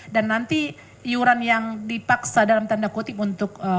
dan nanti iuran yang dipaksa dalam tanda kutip untuk